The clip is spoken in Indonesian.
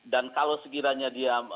dan kalau sekiranya dia